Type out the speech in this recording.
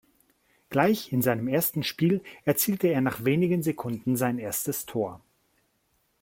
Gleich in seinem ersten Spiel erzielte er nach wenigen Sekunden sein erstes Tor.